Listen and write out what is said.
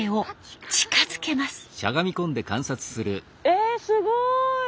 えすごい！